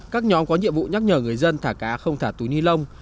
các nhóm có nhiệm vụ nhắc nhở người dân thả cá không thả túi ni lông